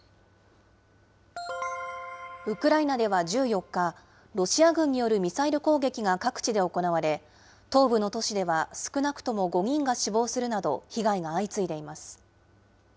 ウクライナでは１４日、ロシア軍によるミサイル攻撃が各地で行われ、東部の都市では少なくとも５人が死亡するなど、被害が相次いでいます。